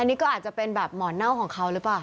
อันนี้ก็อาจจะเป็นแบบหมอนเน่าของเขาหรือเปล่า